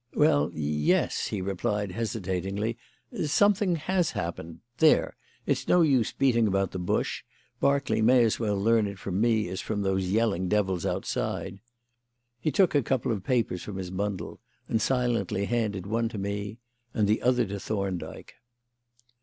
"Well yes," he replied hesitatingly, "something has happened there! It's no use beating about the bush; Berkeley may as well learn it from me as from those yelling devils outside." He took a couple of papers from his bundle and silently handed one to me and the other to Thorndyke.